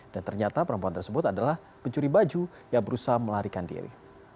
dan ternyata perempuan tersebut adalah pencuri baju yang berusaha melarikan diri